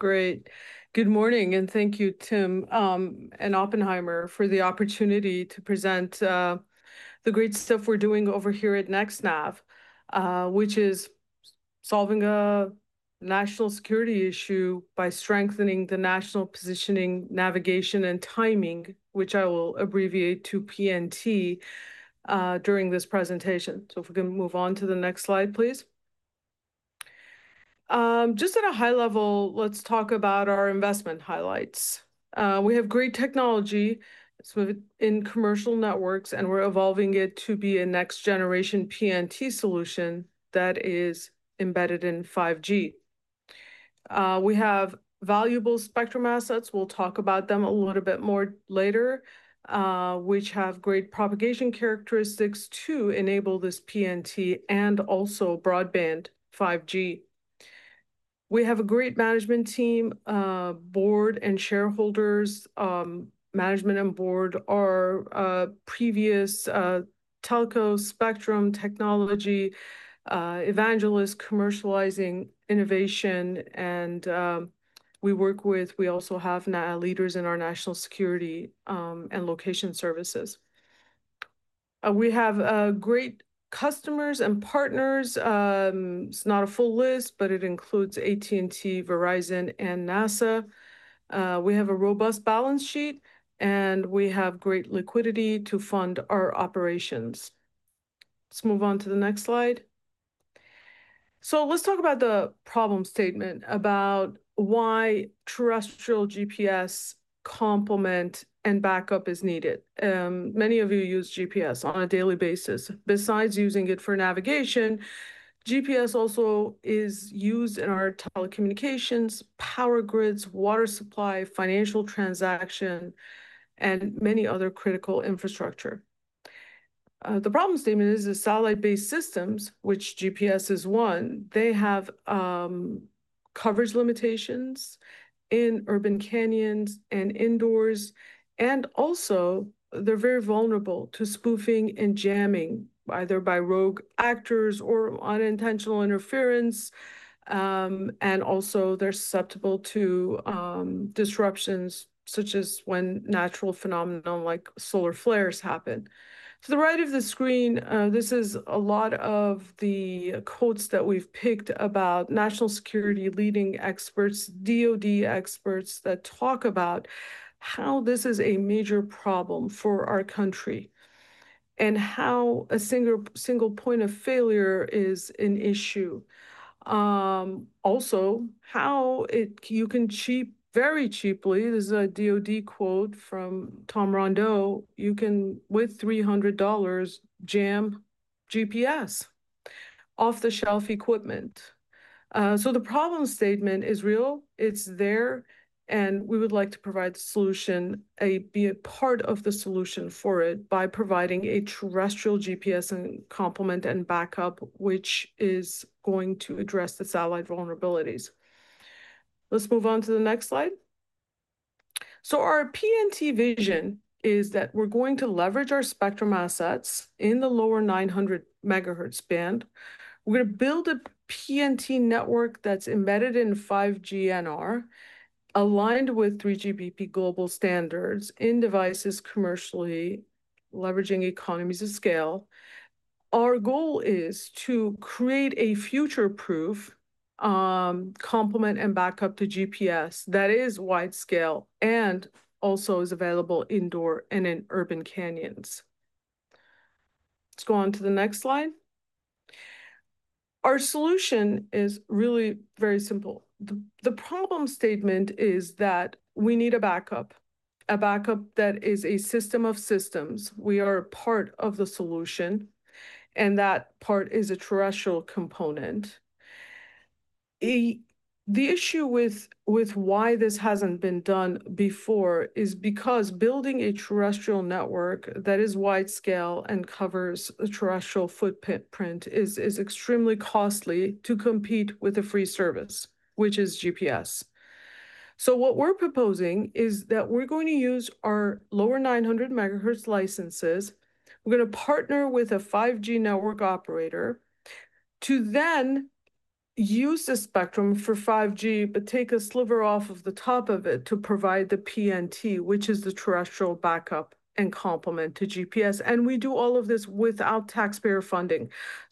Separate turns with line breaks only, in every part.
Great. Good morning, and thank you, Tim, and Oppenheimer for the opportunity to present, the great stuff we're doing over here at NextNav, which is solving a national security issue by strengthening the national positioning, navigation, and timing, which I will abbreviate to PNT, during this presentation. If we can move on to the next slide, please. At a high level, let's talk about our investment highlights. We have great technology in commercial networks, and we're evolving it to be a next-generation PNT solution that is embedded in 5G. We have valuable spectrum assets. We'll talk about them a little bit more later, which have great propagation characteristics to enable this PNT and also broadband 5G. We have a great management team, board, and shareholders. Management and board are previous telco, spectrum technology evangelists commercializing innovation, and we work with, we also have leaders in our national security and location services. We have great customers and partners. It's not a full list, but it includes AT&T, Verizon, and NASA. We have a robust balance sheet, and we have great liquidity to fund our operations. Let's move on to the next slide. Let's talk about the problem statement about why terrestrial GPS complement and backup is needed. Many of you use GPS on a daily basis. Besides using it for navigation, GPS also is used in our telecommunications, power grids, water supply, financial transaction, and many other critical infrastructure. The problem statement is the satellite-based systems, which GPS is one, they have coverage limitations in urban canyons and indoors, and also, they're very vulnerable to spoofing and jamming, either by rogue actors or unintentional interference, and also, they're susceptible to disruptions such as when natural phenomena like solar flares happen. To the right of the screen, this is a lot of the quotes that we've picked about national security leading experts, DOD experts that talk about how this is a major problem for our country and how a single point of failure is an issue. Also, how you can very cheaply, this is a DOD quote from Tom Rondeau, you can, with $300, jam GPS off-the-shelf equipment. The problem statement is real. It's there, and we would like to provide the solution, be a part of the solution for it by providing a terrestrial GPS complement and backup, which is going to address the satellite vulnerabilities. Let's move on to the next slide. Our PNT vision is that we're going to leverage our spectrum assets in the lower 900 MHz band. We're going to build a PNT network that's embedded in 5G NR, aligned with 3GPP global standards in devices commercially, leveraging economies of scale. Our goal is to create a future-proof, complement and backup to GPS that is wide scale and also is available indoor and in urban canyons. Let's go on to the next slide. Our solution is really very simple. The problem statement is that we need a backup, a backup that is a system of systems. We are a part of the solution, and that part is a terrestrial component. The issue with why this hasn't been done before is because building a terrestrial network that is wide scale and covers a terrestrial footprint is extremely costly to compete with a free service, which is GPS. What we're proposing is that we're going to use our lower 900 MHz licenses. We're going to partner with a 5G network operator to then use the spectrum for 5G, but take a sliver off of the top of it to provide the PNT, which is the terrestrial backup and complement to GPS. We do all of this without taxpayer funding.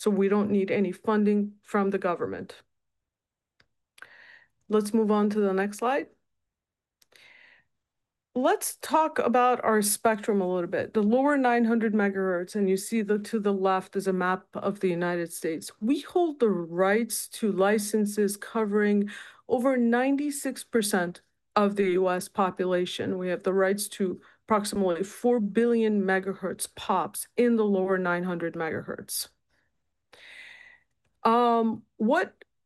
We don't need any funding from the government. Let's move on to the next slide. Let's talk about our spectrum a little bit, the lower 900 MHz. You see to the left is a map of the United States. We hold the rights to licenses covering over 96% of the U.S. population. We have the rights to approximately 4 billion MHz-pop in the lower 900 MHz.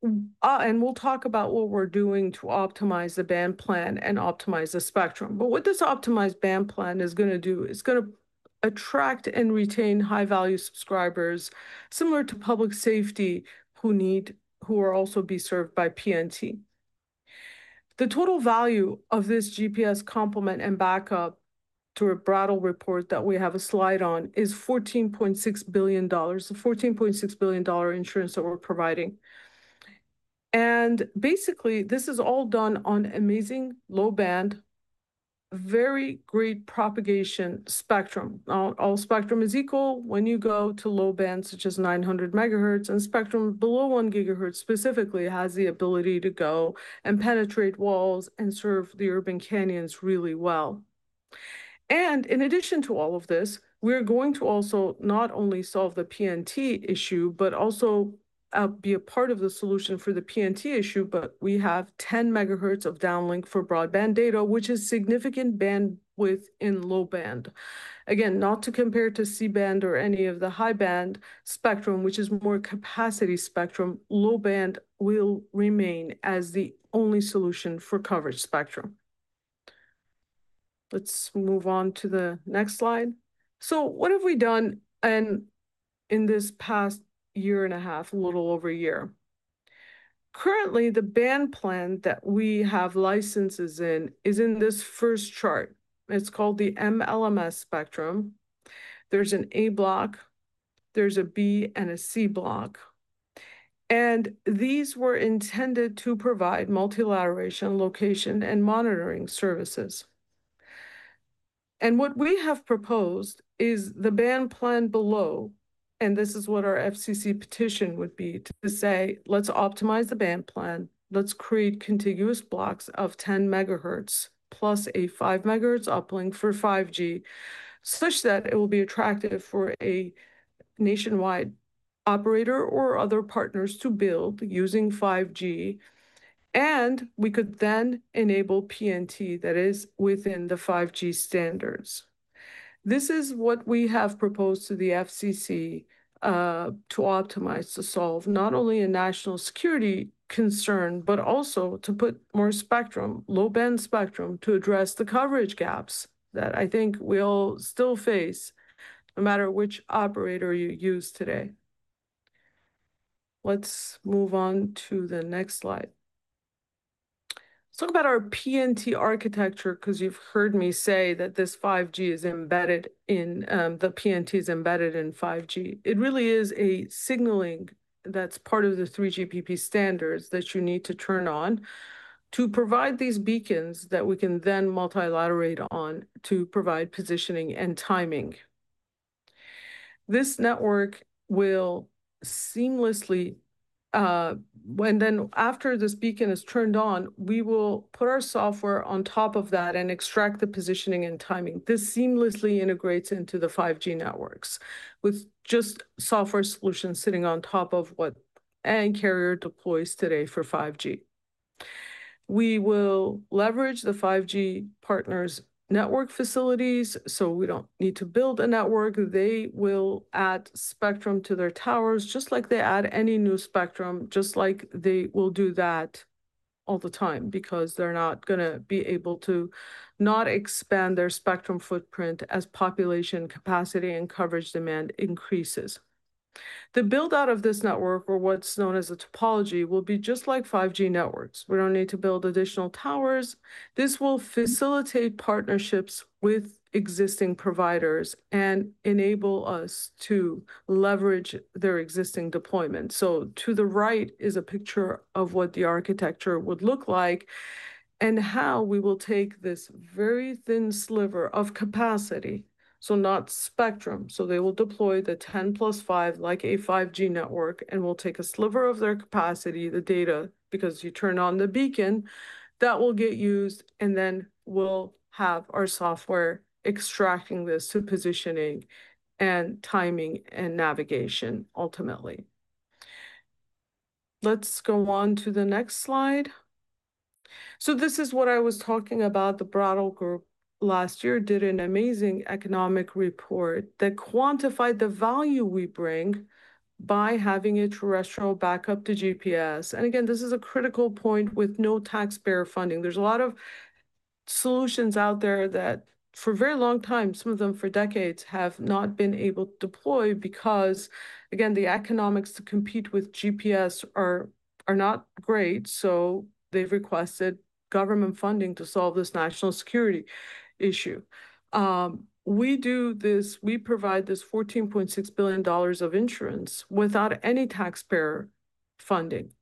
We'll talk about what we're doing to optimize the band plan and optimize the spectrum. What this optimized band plan is going to do is going to attract and retain high-value subscribers similar to public safety who need, who are also being served by PNT. The total value of this GPS complement and backup through a BRG report that we have a slide on is $14.6 billion, a $14.6 billion insurance that we're providing. Basically, this is all done on amazing low band, very great propagation spectrum. All spectrum is equal. When you go to low band, such as 900 MHz, and spectrum below 1 GHz specifically has the ability to go and penetrate walls and serve the urban canyons really well. In addition to all of this, we are going to also not only solve the PNT issue, but also be a part of the solution for the PNT issue. We have 10 MHz of downlink for broadband data, which is significant bandwidth in low band. Again, not to compare to C-band or any of the high band spectrum, which is more capacity spectrum. Low band will remain as the only solution for coverage spectrum. Let's move on to the next slide. What have we done in this past year and a half, a little over a year? Currently, the band plan that we have licenses in is in this first chart. It's called the MLMS spectrum. There's an A block, there's a B, and a C block. These were intended to provide multilateration, location, and monitoring services. What we have proposed is the band plan below. This is what our FCC petition would be to say, let's optimize the band plan. Let's create contiguous blocks of 10 MHz + 5 MHz uplink for 5G such that it will be attractive for a nationwide operator or other partners to build using 5G. We could then enable PNT that is within the 5G standards. This is what we have proposed to the FCC, to optimize to solve not only a national security concern, but also to put more spectrum, low band spectrum, to address the coverage gaps that I think we all still face no matter which operator you use today. Let's move on to the next slide. Let's talk about our PNT architecture because you've heard me say that this 5G is embedded in, the PNT is embedded in 5G. It really is a signaling that's part of the 3GPP standards that you need to turn on to provide these beacons that we can then multilaterate on to provide positioning and timing. This network will seamlessly, and then after this beacon is turned on, we will put our software on top of that and extract the positioning and timing. This seamlessly integrates into the 5G networks with just software solutions sitting on top of what any carrier deploys today for 5G. We will leverage the 5G partners' network facilities so we don't need to build a network. They will add spectrum to their towers just like they add any new spectrum, just like they will do that all the time because they're not going to be able to not expand their spectrum footprint as population capacity and coverage demand increases. The build-out of this network, or what's known as a topology, will be just like 5G networks. We don't need to build additional towers. This will facilitate partnerships with existing providers and enable us to leverage their existing deployment. To the right is a picture of what the architecture would look like and how we will take this very thin sliver of capacity, not spectrum, so they will deploy the 10 + 5 like a 5G network and will take a sliver of their capacity, the data, because you turn on the beacon that will get used and then we'll have our software extracting this to positioning and timing and navigation ultimately. Let's go on to the next slide. This is what I was talking about. The Berkeley Research Group last year did an amazing economic report that quantified the value we bring by having a terrestrial backup to GPS. Again, this is a critical point with no taxpayer funding. There are a lot of solutions out there that for a very long time, some of them for decades, have not been able to deploy because the economics to compete with GPS are not great. They have requested government funding to solve this national security issue. We do this, we provide this $14.6 billion of insurance without any taxpayer funding.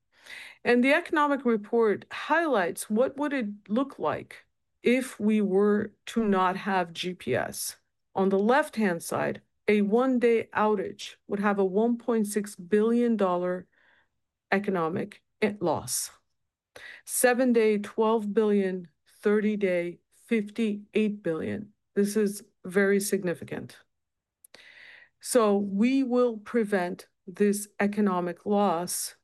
The economic report highlights what it would look like if we were to not have GPS. On the left-hand side, a one-day outage would have a $1.6 billion economic loss. Seven-day, $12 billion, 30-day, $58 billion. This is very significant. We will prevent this economic loss,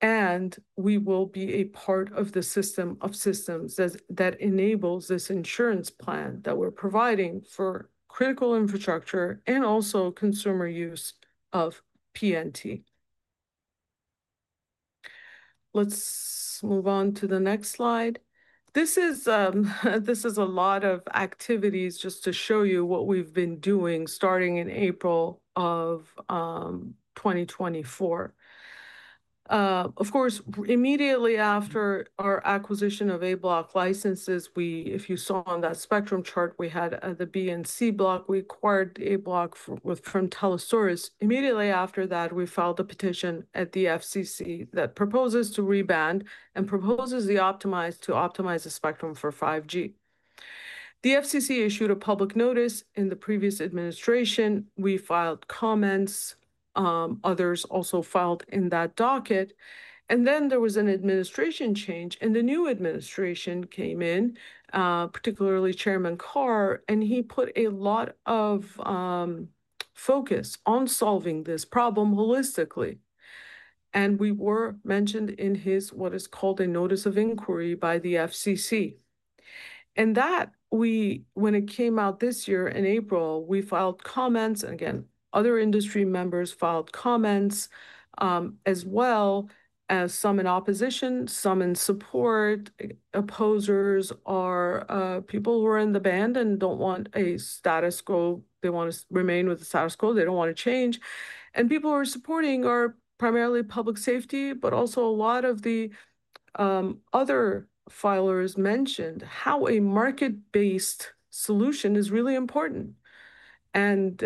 and we will be a part of the system of systems that enables this insurance plan that we're providing for critical infrastructure and also consumer use of PNT. Let's move on to the next slide. This is a lot of activities just to show you what we've been doing starting in April of 2024. Of course, immediately after our acquisition of A block licenses, if you saw on that spectrum chart, we had the B and C block. We acquired A block from Tellisouris. Immediately after that, we filed a petition at the FCC that proposes to reband and proposes to optimize the spectrum for 5G. The FCC issued a public notice in the previous administration. We filed comments. Others also filed in that docket. There was an administration change, and the new administration came in, particularly Chairman Carr, and he put a lot of focus on solving this problem holistically. We were mentioned in what is called a notice of inquiry by the FCC. When it came out this year in April, we filed comments. Other industry members filed comments, as well as some in opposition, some in support. Opposers are people who are in the band and don't want a status quo. They want to remain with the status quo. They don't want to change. People who are supporting are primarily public safety, but also a lot of the other filers mentioned how a market-based solution is really important. They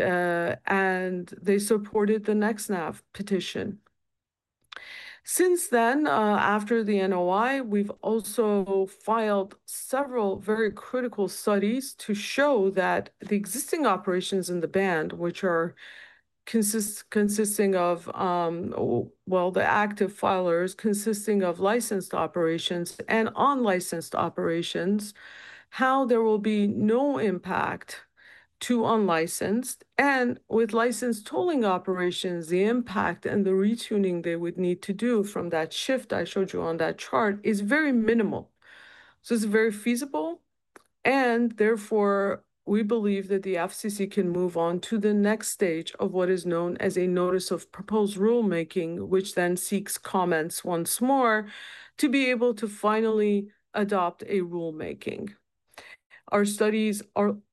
supported the NextNav petition. Since then, after the NOI, we've also filed several very critical studies to show that the existing operations in the band, which are consisting of the active filers consisting of licensed operations and unlicensed operations, how there will be no impact to unlicensed. With licensed tolling operations, the impact and the retuning they would need to do from that shift I showed you on that chart is very minimal. It is very feasible. Therefore, we believe that the FCC can move on to the next stage of what is known as a Notice of Proposed Rulemaking, which then seeks comments once more to be able to finally adopt a rule-making. Our studies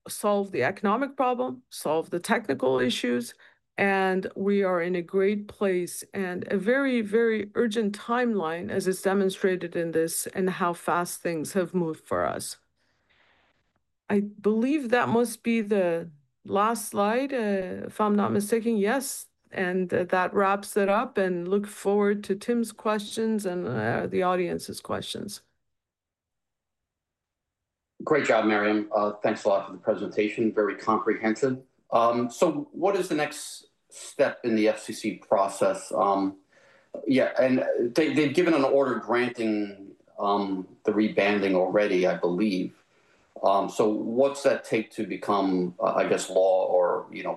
solved the economic problem, solved the technical issues, and we are in a great place and a very, very urgent timeline, as is demonstrated in this and how fast things have moved for us. I believe that must be the last slide, if I'm not mistaken. Yes. That wraps it up. I look forward to Tim's questions and the audience's questions. Great job, Mariam. Thanks a lot for the presentation. Very comprehensive. What is the next step in the FCC process? They've given an order granting the rebanding already, I believe. What does that take to become, I guess, law or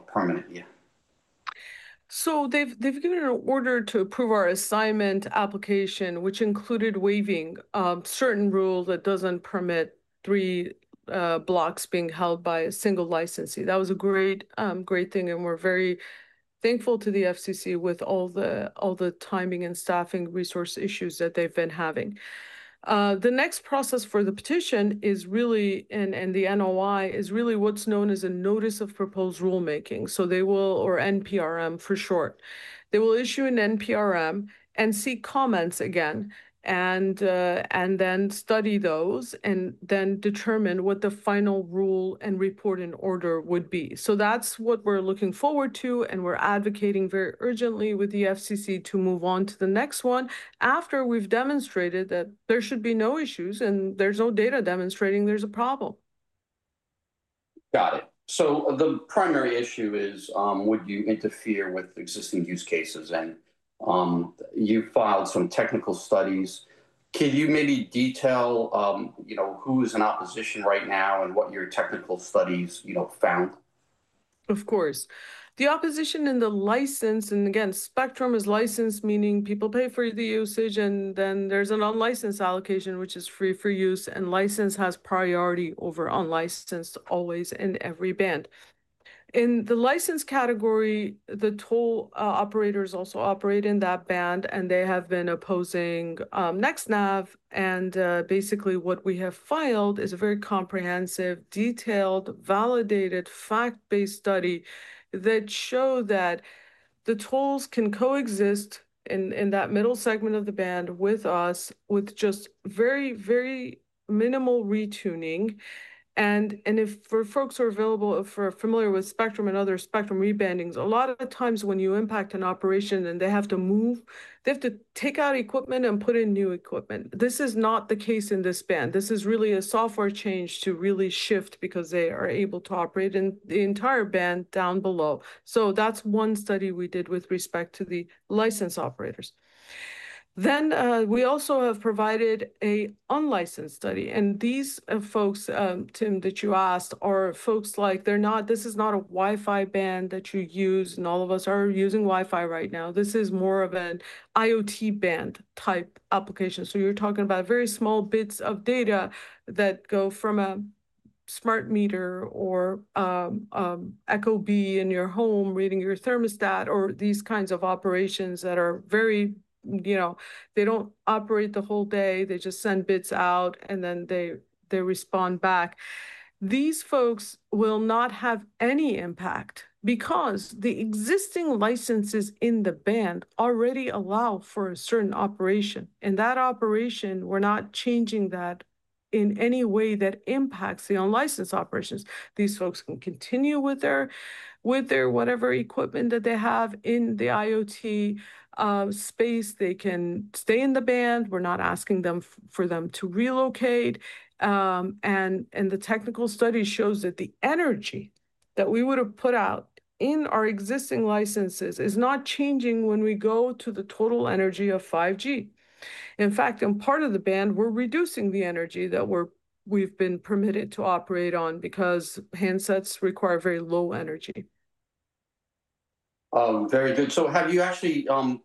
permanent? They've given an order to approve our assignment application, which included waiving certain rules that don't permit three blocks being held by a single licensee. That was a great, great thing. We're very thankful to the FCC with all the timing and staffing resource issues that they've been having. The next process for the petition is really, and the NOI is really what's known as a Notice of Proposed Rulemaking. They will, or NPRM for short, issue an NPRM and seek comments again, then study those and determine what the final rule and reporting order would be. That's what we're looking forward to. We're advocating very urgently with the FCC to move on to the next one after we've demonstrated that there should be no issues and there's no data demonstrating there's a problem. Got it. The primary issue is, would you interfere with existing use cases? You filed some technical studies. Can you maybe detail who is in opposition right now and what your technical studies found? Of course. The opposition in the license, and again, spectrum is licensed, meaning people pay for the usage. Then there's an unlicensed allocation, which is free for use. License has priority over unlicensed always in every band. In the licensed category, the toll operators also operate in that band, and they have been opposing NextNav. Basically, what we have filed is a very comprehensive, detailed, validated, fact-based study that showed that the tolls can coexist in that middle segment of the band with us with just very, very minimal retuning. If folks are familiar with spectrum and other spectrum rebandings, a lot of the times when you impact an operation and they have to move, they have to take out equipment and put in new equipment. This is not the case in this band. This is really a software change to really shift because they are able to operate in the entire band down below. That's one study we did with respect to the licensed operators. We also have provided an unlicensed study. These folks, Tim, that you asked, are folks like, they're not, this is not a Wi-Fi band that you use, and all of us are using Wi-Fi right now. This is more of an IoT band type application. You're talking about very small bits of data that go from a smart meter or, ECHOBEE in your home reading your thermostat or these kinds of operations that are very, you know, they don't operate the whole day. They just send bits out, and then they respond back. These folks will not have any impact because the existing licenses in the band already allow for a certain operation. That operation, we're not changing that in any way that impacts the unlicensed operations. These folks can continue with their, with their whatever equipment that they have in the IoT space. They can stay in the band. We're not asking for them to relocate. The technical study shows that the energy that we would have put out in our existing licenses is not changing when we go to the total energy of 5G. In fact, in part of the band, we're reducing the energy that we've been permitted to operate on because handsets require very low energy. Very good. Have you actually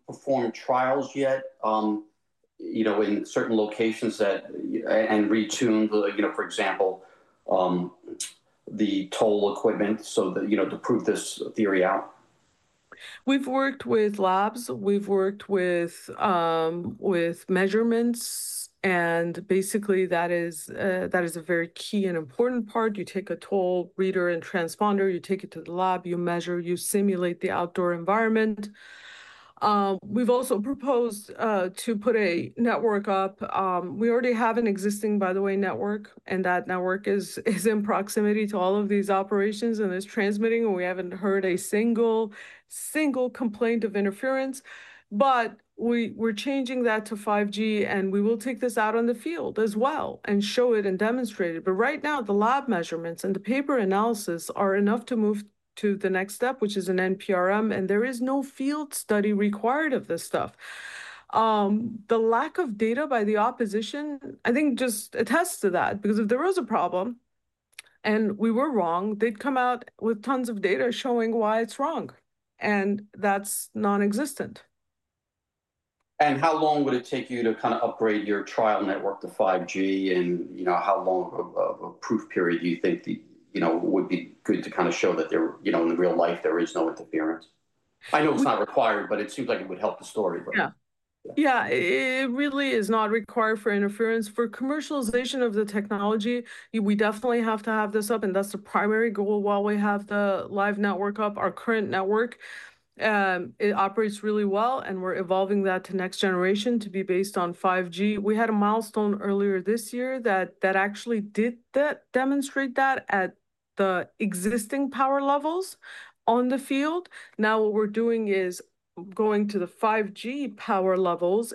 performed trials yet in certain locations that retune, for example, the toll equipment to prove this theory out? We've worked with labs. We've worked with measurements. Basically, that is a very key and important part. You take a toll reader and transponder, you take it to the lab, you measure, you simulate the outdoor environment. We've also proposed to put a network up. We already have an existing, by the way, network. That network is in proximity to all of these operations and is transmitting. We haven't heard a single, single complaint of interference. We're changing that to 5G. We will take this out on the field as well and show it and demonstrate it. Right now, the lab measurements and the paper analysis are enough to move to the next step, which is an NPRM. There is no field study required of this stuff. The lack of data by the opposition, I think, just attests to that because if there was a problem and we were wrong, they'd come out with tons of data showing why it's wrong. That's nonexistent. How long would it take you to kind of upgrade your trial network to 5G? How long of a proof period do you think would be good to kind of show that there, in real life, there is no interference? I know it's not required, but it seems like it would help the story. It really is not required for interference. For commercialization of the technology, we definitely have to have this up. That's the primary goal while we have the live network up. Our current network operates really well, and we're evolving that to next generation to be based on 5G. We had a milestone earlier this year that actually did demonstrate that at the existing power levels on the field. Now what we're doing is going to the 5G power levels.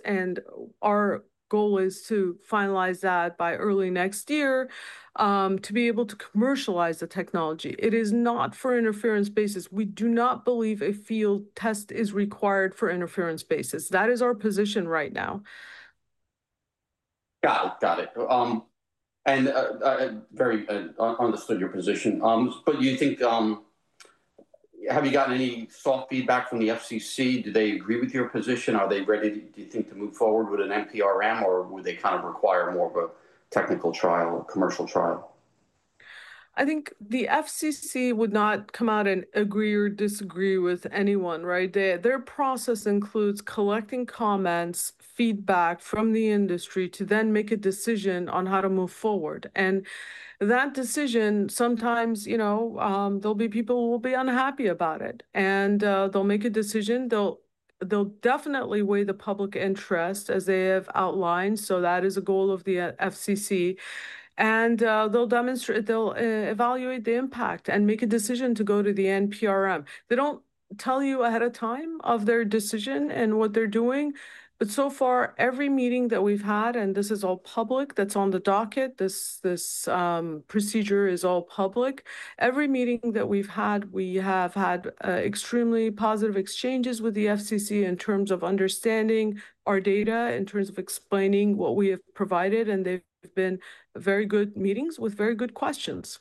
Our goal is to finalize that by early next year to be able to commercialize the technology. It is not for interference basis. We do not believe a field test is required for interference basis. That is our position right now. Got it. I very understood your position. Do you think, have you gotten any thought feedback from the FCC? Do they agree with your position? Are they ready, do you think, to move forward with an NPRM, or would they kind of require more of a technical trial, a commercial trial? I think the FCC would not come out and agree or disagree with anyone, right? Their process includes collecting comments, feedback from the industry to then make a decision on how to move forward. That decision, sometimes, you know, there'll be people who will be unhappy about it. They'll make a decision. They'll definitely weigh the public interest, as they have outlined. That is a goal of the FCC. They'll demonstrate, they'll evaluate the impact and make a decision to go to the NPRM. They don't tell you ahead of time of their decision and what they're doing. So far, every meeting that we've had, and this is all public, that's on the docket, this procedure is all public. Every meeting that we've had, we have had extremely positive exchanges with the FCC in terms of understanding our data, in terms of explaining what we have provided. They've been very good meetings with very good questions.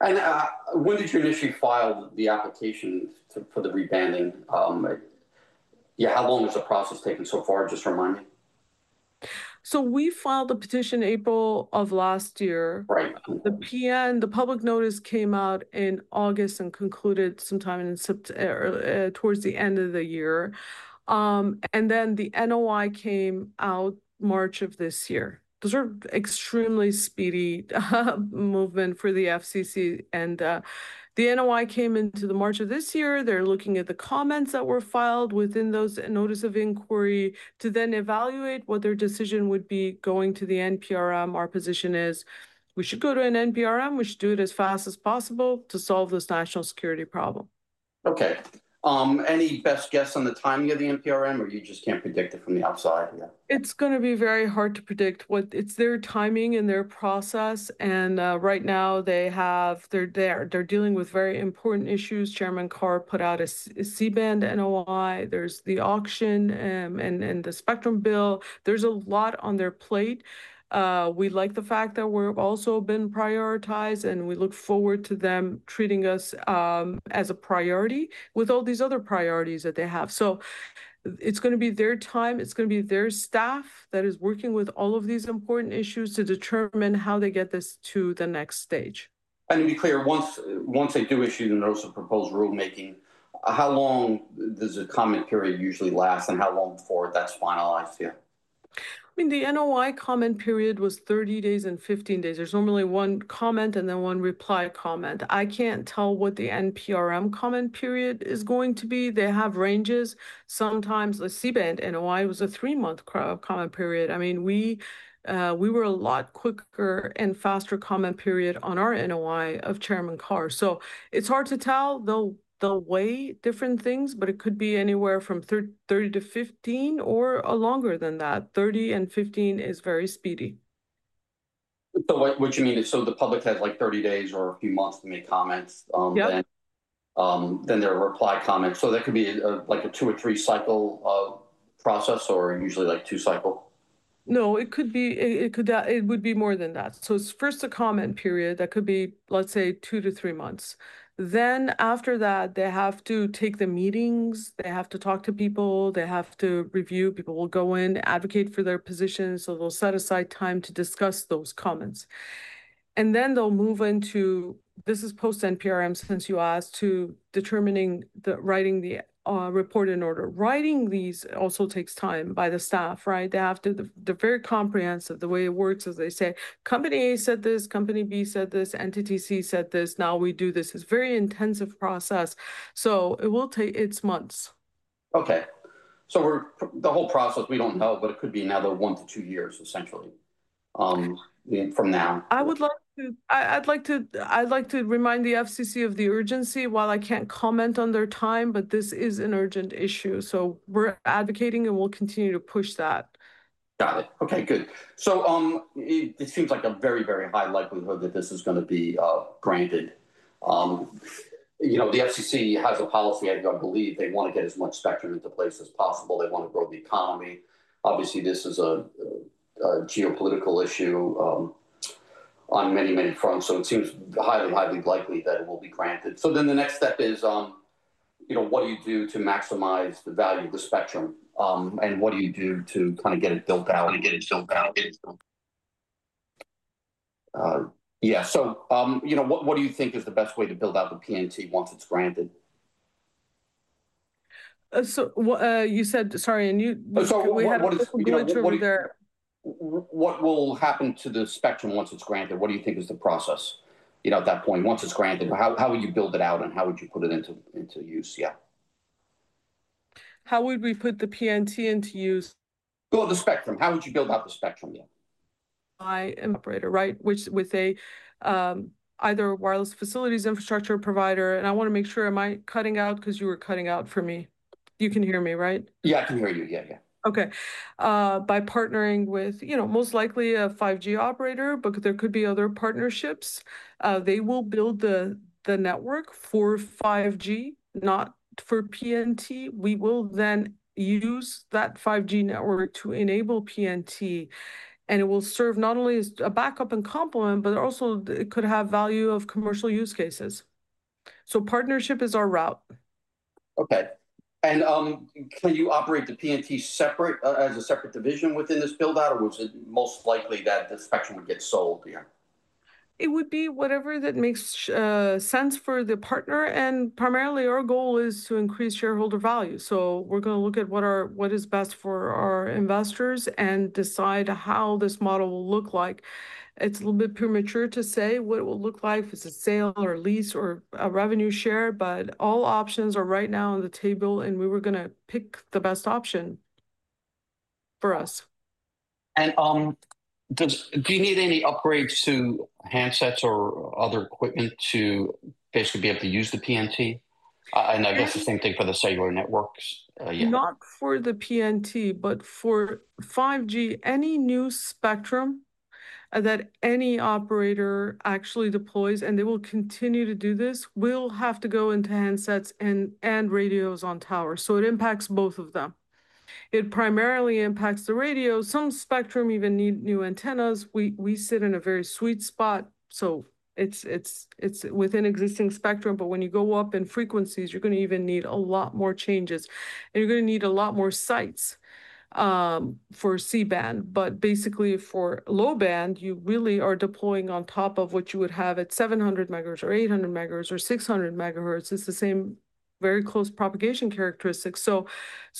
When did you initially file the application for the rebanding? How long has the process taken so far? Just remind me. We filed the petition in April of last year. The public notice came out in August and concluded sometime in September, towards the end of the year. The NOI came out March of this year. Those are extremely speedy movements for the FCC. The NOI came into March of this year. They're looking at the comments that were filed within those notices of inquiry to then evaluate what their decision would be going to the NPRM. Our position is we should go to an NPRM. We should do it as fast as possible to solve this national security problem. Okay. Any best guess on the timing of the NPRM, or you just can't predict it from the outside? Yeah. It's going to be very hard to predict what is their timing and their process. Right now, they are dealing with very important issues. Chairman Carr put out a C-band NOI. There's the auction and the spectrum bill. There's a lot on their plate. We like the fact that we've also been prioritized, and we look forward to them treating us as a priority with all these other priorities that they have. It's going to be their time. It's going to be their staff that is working with all of these important issues to determine how they get this to the next stage. To be clear, once they do issue the Notice of Proposed Rulemaking, how long does the comment period usually last, and how long before that's finalized here? The NOI comment period was 30 days and 15 days. There's normally one comment and then one reply comment. I can't tell what the NPRM comment period is going to be. They have ranges. Sometimes a C-band NOI was a three-month comment period. We were a lot quicker and had a faster comment period on our NOI of Chairman Carr. It's hard to tell. They'll weigh different things, but it could be anywhere from 30-15 or longer than that. 30 and 15 is very speedy. You mean the public has like 30 days or a few months to make comments? Yeah. Then there reply comments. Could that be like a two or three cycle process, or usually like two cycles? No, it could be, it could, it would be more than that. First, a comment period that could be, let's say, two to three months. After that, they have to take the meetings. They have to talk to people. They have to review. People will go in, advocate for their positions. They'll set aside time to discuss those comments. They'll move into, this is post-NPRM since you asked, to determining the writing the report in order. Writing these also takes time by the staff, right? They're very comprehensive. The way it works is they say, "Company A said this. Company B said this. Entity C said this. Now we do this." It's a very intensive process. It will take, it's months. The whole process, we don't know, but it could be another one to two years, essentially, from now. I would like to remind the FCC of the urgency. While I can't comment on their time, this is an urgent issue. We're advocating and we'll continue to push that. Okay. Good. It seems like a very, very high likelihood that this is going to be granted. The FCC has a policy, I believe. They want to get as much spectrum into place as possible. They want to grow the economy. Obviously, this is a geopolitical issue on many, many fronts. It seems highly, highly likely that it will be granted. The next step is, what do you do to maximize the value of the spectrum, and what do you do to kind of get it built out and get it filled out? What do you think is the best way to build out the PNT once it's granted? You said, sorry, we had a question in there. What will happen to the spectrum once it's granted? What do you think is the process at that point? Once it's granted, how would you build it out and how would you put it into use? How would we put the PNT into use? How would you build out the spectrum? Yeah. I am an operator, right? With either a wireless facilities infrastructure provider. I want to make sure, am I cutting out? Because you were cutting out for me. You can hear me, right? Yeah, I can hear you. Yeah, yeah. Okay. By partnering with, you know, most likely a 5G operator, but there could be other partnerships, they will build the network for 5G, not for PNT. We will then use that 5G network to enable PNT. It will serve not only as a backup and complement, but it also could have value of commercial use cases. Partnership is our route. Okay. Can you operate the PNT as a separate division within this build-out, or is it most likely that the spectrum would get sold? Yeah. It would be whatever that makes sense for the partner. Primarily, our goal is to increase shareholder value. We're going to look at what is best for our investors and decide how this model will look like. It's a little bit premature to say what it will look like. Is it sale or lease or a revenue share? All options are right now on the table, and we're going to pick the best option for us. Do you need any upgrades to handsets or other equipment to basically be able to use the PNT? I guess the same thing for the cellular networks. Yeah. Not for the PNT, but for 5G, any new spectrum that any operator actually deploys, and they will continue to do this, will have to go into handsets and radios on towers. It impacts both of them. It primarily impacts the radio. Some spectrum even need new antennas. We sit in a very sweet spot. It's within existing spectrum, but when you go up in frequencies, you're going to even need a lot more changes. You're going to need a lot more sites for C-band. For low band, you really are deploying on top of what you would have at 700 MHz or 800 MHz or 600 MHz. It's the same very close propagation characteristics.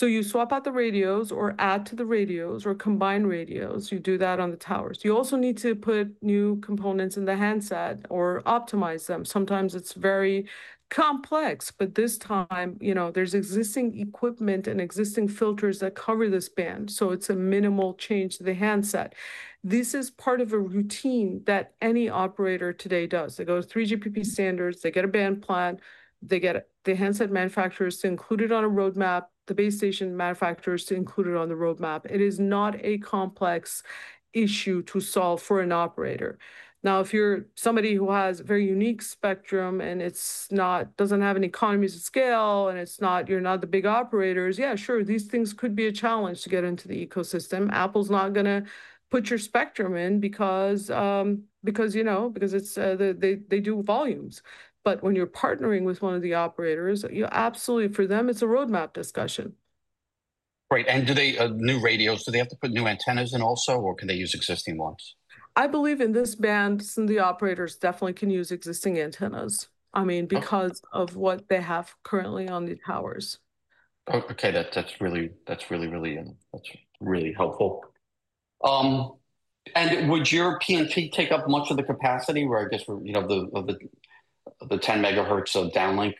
You swap out the radios or add to the radios or combine radios. You do that on the towers. You also need to put new components in the handset or optimize them. Sometimes it's very complex, but this time, there's existing equipment and existing filters that cover this band. It's a minimal change to the handset. This is part of a routine that any operator today does. It goes 3GPP standards. They get a band plan. They get the handset manufacturers to include it on a roadmap, the base station manufacturers to include it on the roadmap. It is not a complex issue to solve for an operator. If you're somebody who has a very unique spectrum and it doesn't have an economy to scale and you're not the big operators, these things could be a challenge to get into the ecosystem. Apple's not going to put your spectrum in because they do volumes. When you're partnering with one of the operators, you absolutely, for them, it's a roadmap discussion. Great. Do the new radios have to put new antennas in also, or can they use existing ones? I believe in this band, some of the operators definitely can use existing antennas because of what they have currently on the towers. Okay. That's really, really helpful. Would your PNT take up much of the capacity where, I guess, you know, the 10 MHz of downlink?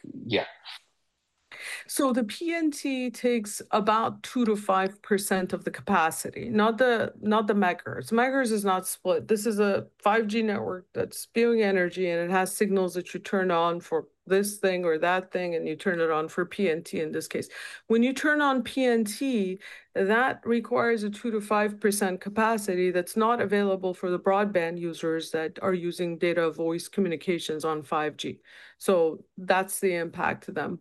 The PNT takes about 2%-5% of the capacity, not the megahertz. Megahertz is not split. This is a 5G network that's spewing energy, and it has signals that you turn on for this thing or that thing, and you turn it on for PNT in this case. When you turn on PNT, that requires a 2%-5% capacity that's not available for the broadband users that are using data voice communications on 5G. That's the impact to them.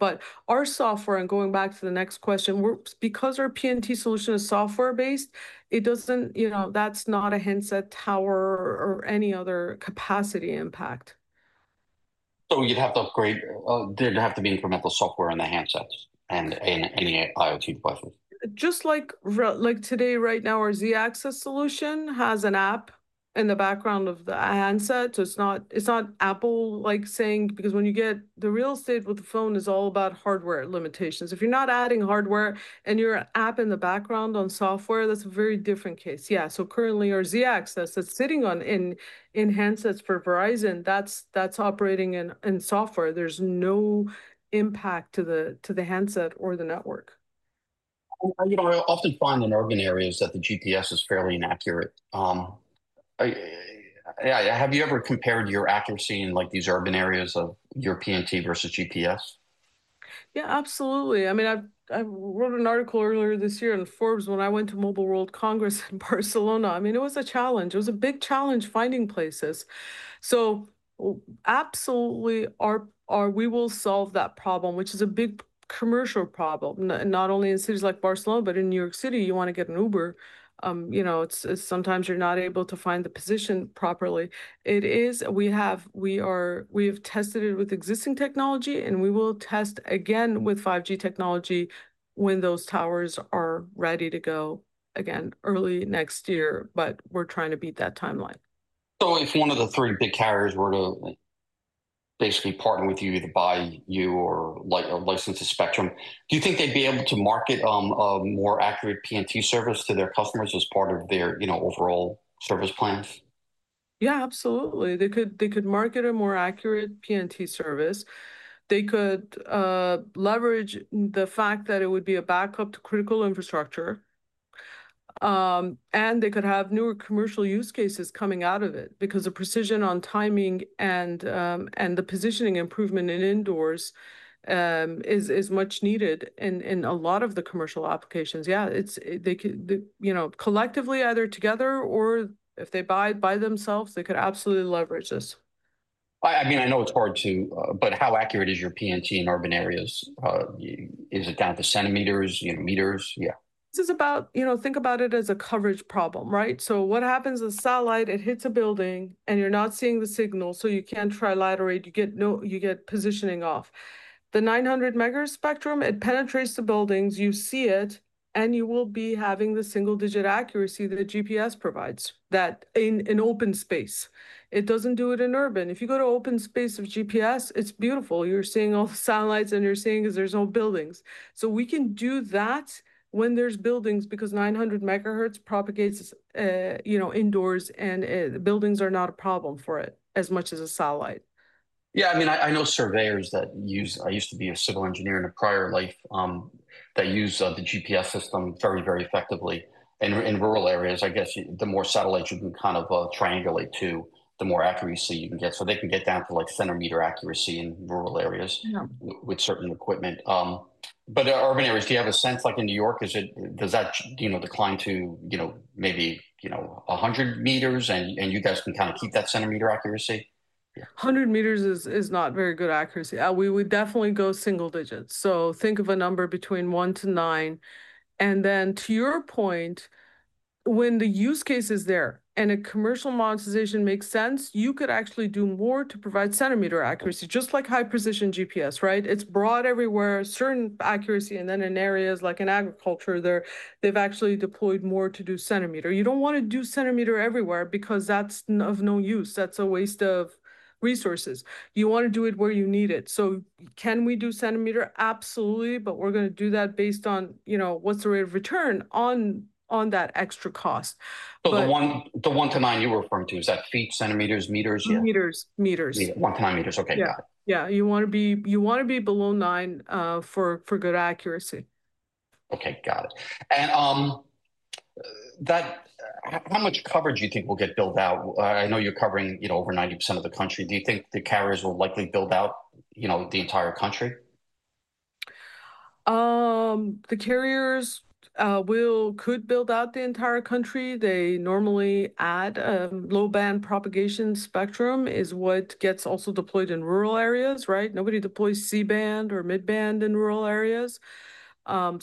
Our software, and going back to the next question, because our PNT solution is software-based, it doesn't, you know, that's not a handset tower or any other capacity impact. You'd have to upgrade. There'd have to be incremental software on the handsets and any IoT device. Just like today, right now, our Z-axis solution has an app in the background of the handset. It's not an Apple-like thing because when you get the real estate with the phone, it's all about hardware limitations. If you're not adding hardware and you're an app in the background on software, that's a very different case. Currently, our Z-axis that's sitting on in handsets for Verizon, that's operating in software. There's no impact to the handset or the network. You know, I often find in urban areas that the GPS is fairly inaccurate. Have you ever compared your accuracy in these urban areas of your PNT versus GPS? Yeah, absolutely. I mean, I wrote an article earlier this year in Forbes when I went to Mobile World Congress in Barcelona. I mean, it was a challenge. It was a big challenge finding places. Absolutely, we will solve that problem, which is a big commercial problem, not only in cities like Barcelona, but in New York City. You want to get an Uber. Sometimes you're not able to find the position properly. We have tested it with existing technology, and we will test again with 5G technology when those towers are ready to go again early next year. We're trying to beat that timeline. If one of the three big carriers were to basically partner with you to buy you or like a licensed spectrum, do you think they'd be able to market a more accurate PNT service to their customers as part of their overall service plans? Yeah, absolutely. They could market a more accurate PNT service. They could leverage the fact that it would be a backup to critical infrastructure. They could have newer commercial use cases coming out of it because the precision on timing and the positioning improvement in indoors is much needed in a lot of the commercial applications. They could, you know, collectively, either together or if they buy it by themselves, they could absolutely leverage this. I mean, I know it's hard to, but how accurate is your PNT in urban areas? Is it down to centimeters, you know, meters? Yeah. This is about, you know, think about it as a coverage problem, right? What happens is satellite, it hits a building, and you're not seeing the signal, so you can't try to light or read. You get no positioning off. The 900 MHz spectrum, it penetrates the buildings. You see it, and you will be having the single-digit accuracy that GPS provides in open space. It doesn't do it in urban. If you go to open space of GPS, it's beautiful. You're seeing all the satellites, and you're seeing there's no buildings. We can do that when there's buildings because 900 MHz propagates, you know, indoors, and buildings are not a problem for it as much as a satellite. Yeah. I mean, I know surveyors that use, I used to be a civil engineer in a prior life, that use the GPS system very, very effectively. In rural areas, I guess the more satellites you can kind of triangulate to, the more accuracy you can get. They can get down to like centimeter accuracy in rural areas with certain equipment. In urban areas, do you have a sense like in New York, does that, you know, decline to, you know, maybe, you know, 100 meters and you guys can kind of keep that centimeter accuracy? 100 meters is not very good accuracy. We would definitely go single digits. Think of a number between 1-9. To your point, when the use case is there and a commercial monetization makes sense, you could actually do more to provide centimeter accuracy, just like high precision GPS, right? It's broad everywhere, certain accuracy. In areas like in agriculture, they've actually deployed more to do centimeter. You don't want to do centimeter everywhere because that's of no use. That's a waste of resources. You want to do it where you need it. Can we do centimeter? Absolutely. We're going to do that based on, you know, what's the rate of return on that extra cost. The 1-9 you're referring to, is that feet, centimeters, meters? Meters, meters. 1 meter-9 meters. Okay. Yeah, you want to be below nine for good accuracy. Okay. Got it. How much coverage do you think will get built out? I know you're covering over 90% of the country. Do you think the carriers will likely build out the entire country? The carriers could build out the entire country. They normally add a low band propagation spectrum, which is what also gets deployed in rural areas, right? Nobody deploys C-band or mid-band in rural areas.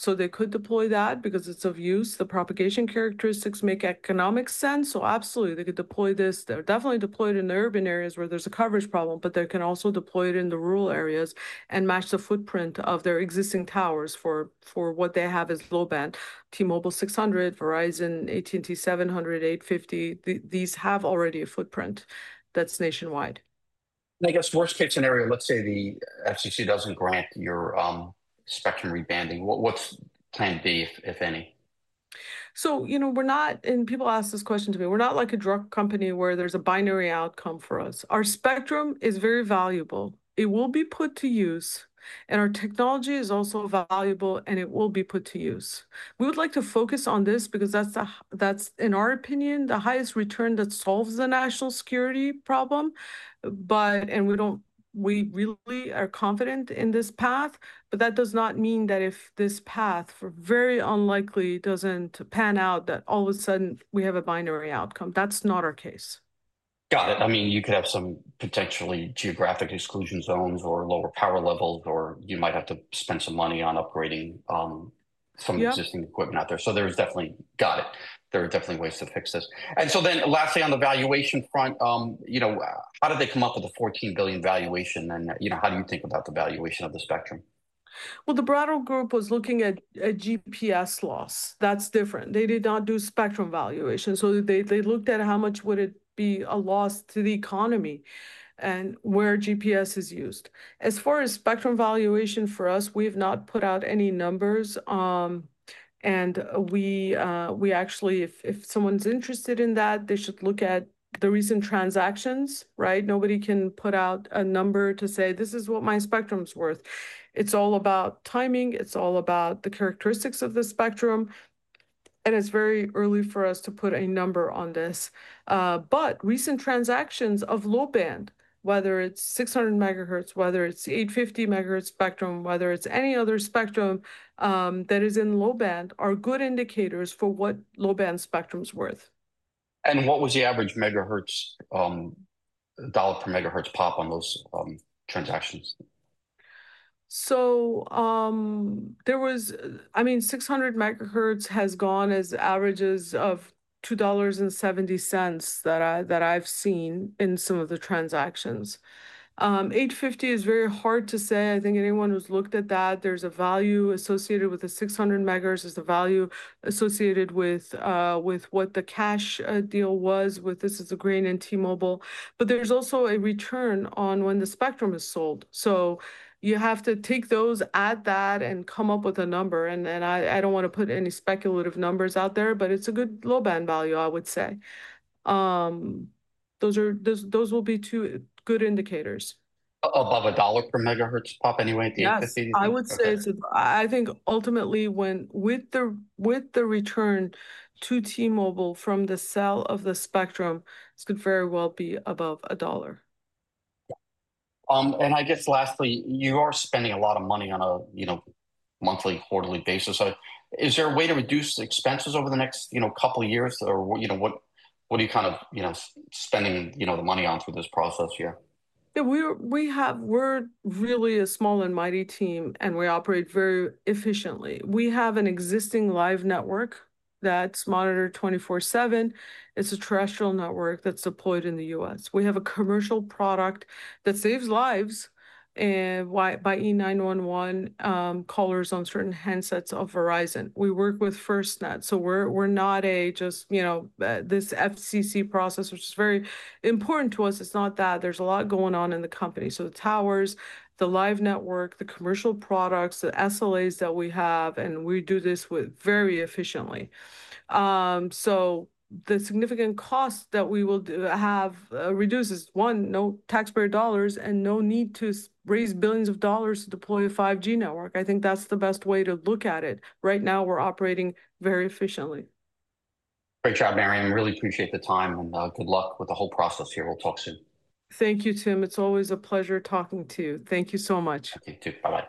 They could deploy that because it's of use. The propagation characteristics make economic sense. Absolutely, they could deploy this. They're definitely deployed in urban areas where there's a coverage problem, but they can also deploy it in the rural areas and match the footprint of their existing towers for what they have as low-band. T-Mobile 600, Verizon, AT&T 700, 850, these already have a footprint that's nationwide. I guess worst-case scenario, let's say the FCC doesn't grant your spectrum rebanding. What's the plan B, if any? We're not like a drug company where there's a binary outcome for us. Our spectrum is very valuable. It will be put to use, and our technology is also valuable, and it will be put to use. We would like to focus on this because that's, in our opinion, the highest return that solves the national security problem. We really are confident in this path. That does not mean that if this path very unlikely doesn't pan out, that all of a sudden we have a binary outcome. That's not our case. Got it. I mean, you could have some potentially geographic exclusion zones or lower power levels, or you might have to spend some money on upgrading some existing equipment out there. There are definitely ways to fix this. Then last thing on the valuation front, you know, how did they come up with the $14 billion valuation? You know, how do you think about the valuation of the spectrum? The Berkeley Research Group was looking at GPS loss. That's different. They did not do spectrum valuation. They looked at how much would it be a loss to the economy and where GPS is used. As far as spectrum valuation for us, we have not put out any numbers. If someone's interested in that, they should look at the recent transactions, right? Nobody can put out a number to say, "This is what my spectrum's worth." It's all about timing. It's all about the characteristics of the spectrum. It's very early for us to put a number on this. Recent transactions of low band, whether it's 600 MHz, whether it's 850 MHz spectrum, whether it's any other spectrum that is in low band, are good indicators for what low band spectrum's worth. What was the average dollar per MHz-pop on those transactions? There was, I mean, 600 MHz has gone as averages of $2.70 that I've seen in some of the transactions. 850 is very hard to say. I think anyone who's looked at that, there's a value associated with the 600 MHz. There's a value associated with what the cash deal was with this as a grain in T-Mobile. There's also a return on when the spectrum is sold. You have to take those, add that, and come up with a number. I don't want to put any speculative numbers out there, but it's a good low band value, I would say. Those will be two good indicators. Above a dollar per MHz-pop anyway? Yeah. I would say, I think ultimately with the return to T-Mobile from the sale of the spectrum, it could very well be above $1. Lastly, you are spending a lot of money on a monthly, quarterly basis. Is there a way to reduce expenses over the next couple of years? What are you spending the money on for this process here? Yeah. We're really a small and mighty team, and we operate very efficiently. We have an existing live network that's monitored 24/7. It's a terrestrial network that's deployed in the U.S. We have a commercial product that saves lives by E911 callers on certain handsets of Verizon. We work with FirstNet. We're not just, you know, this FCC process, which is very important to us. It's not that. There's a lot going on in the company. The towers, the live network, the commercial products, the SLAs that we have, and we do this very efficiently. The significant cost that we will have reduced is, one, no taxpayer dollars and no need to raise billions of dollars to deploy a 5G network. I think that's the best way to look at it. Right now, we're operating very efficiently. Great job, Mariam. Really appreciate the time. Good luck with the whole process here. We'll talk soon. Thank you, Tim. It's always a pleasure talking to you. Thank you so much. You too. Bye.